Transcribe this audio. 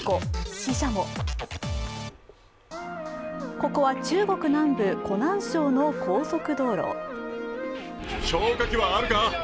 ここは中国南部・湖南省の高速道路。